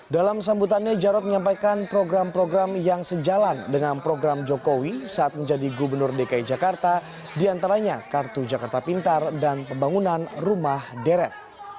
dalam sambutannya jarod menyampaikan program program yang sejalan dengan program jokowi saat menjadi gubernur dki jakarta diantaranya kartu jakarta pintar dan pembangunan rumah deret